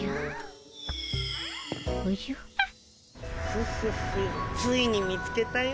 フフフついに見つけたよ。